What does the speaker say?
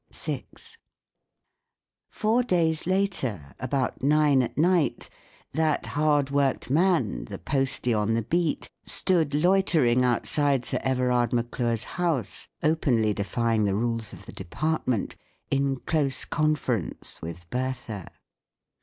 . VI. Four days later, about nine at night, that hard worked man, the posty on the beat, stood loitering outside Sir Everard Maclure's house, openly defying the rules of the department, in close conference with Bertha.